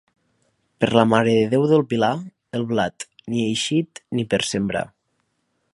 Per la Mare de Déu del Pilar, el blat, ni eixit ni per sembrar.